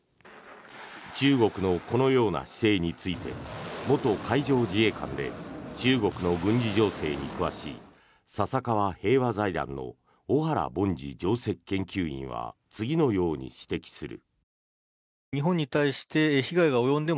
中国のこのような姿勢について元海上自衛官で中国の軍事情勢に詳しい笹川平和財団の小原凡司上席研究員は次のように指摘する。